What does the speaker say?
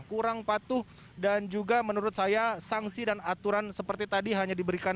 kurang patuh dan juga menurut saya sanksi dan aturan seperti tadi hanya diberikan